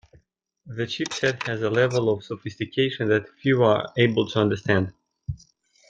The chip set has a level of sophistication that few are able to understand.